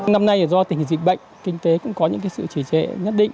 năm nay do tình dịch bệnh kinh tế cũng có những sự trì trệ nhất định